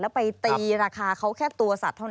แล้วไปตีราคาเขาแค่ตัวสัตว์เท่านั้น